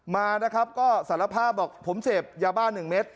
มานะครับก็สารภาพบอกผมเสพยาบ้า๑เม็ด